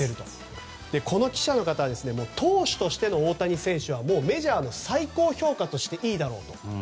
この記者の方は投手としての大谷選手はもうメジャーの最高評価としていいだろうと。